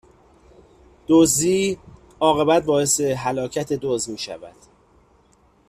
دزدی، عاقبت باعث هلاکت دزد میشود